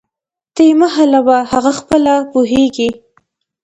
ته یې مه حلوه، هغه خپله پوهیږي